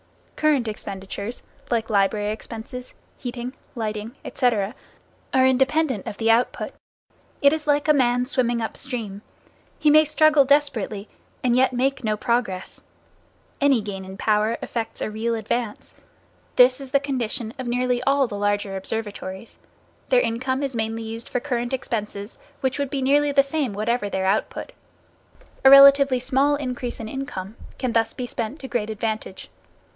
Current expenditures, like library expenses, heating, lighting, etc., are independent of the output. It is like a man swimming up stream. He may struggle desperately, and yet make no progress. Any gain in power effects a real advance. This is the condition of nearly all the larger observatories. Their income is mainly used for current expenses, which would be nearly the same whatever their output. A relatively small increase in income can thus be spent to great advantage.